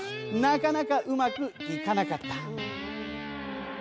なかなかうまくいかなかった。